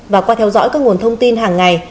và qua theo dõi các nguồn thông tin hàng ngày